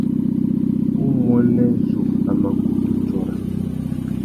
Umuênê zu a mà kutu tsôra.